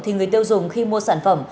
thì người tiêu dùng khi mua sản phẩm